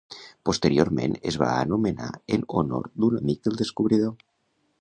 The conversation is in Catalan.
Posteriorment es va anomenar en honor d'un amic del descobridor.